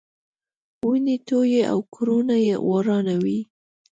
وینې تویوي او کورونه ورانوي.